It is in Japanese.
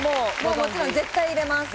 もちろん絶対入れます。